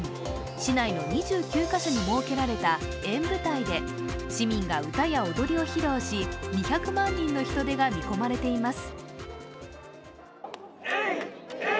市内の２９か所に設けられた演舞台で、市民が歌や踊りを披露し２００万人の人出が見込まれています